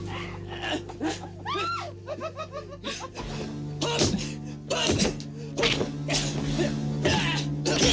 dan begitu tuan putri